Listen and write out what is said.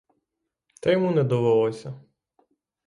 Та йому не довелося.